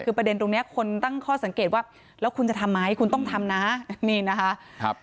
คือประเด็นตรงนี้คนตั้งข้อสังเกตว่าแล้วคุณจะทำไหมคุณต้องทำนะนี่นะคะครับ